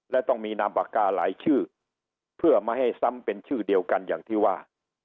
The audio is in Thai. และต้องมีนามปากกาหลายชื่อเพื่อไม่ให้ซ้ำเป็นชื่อเดียวกันอย่างที่ว่า